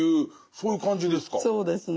そうですね。